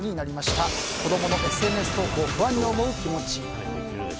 子供のＳＮＳ投稿を不安に思う気持ち。